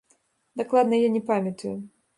Дакладна я не памятаю.